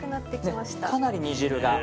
かなり煮汁が。